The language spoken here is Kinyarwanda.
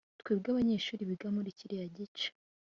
Twebwe abanyeshuri biga muri kiriya gice